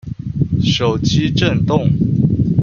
手機震動